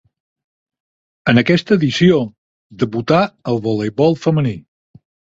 En aquesta edició debutà el voleibol femení.